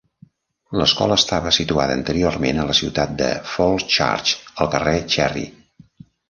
L'escola estava situada anteriorment a la ciutat de Falls Church, al carrer Cherry.